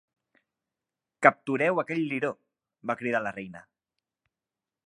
"Captureu aquell Liró", va cridar la reina.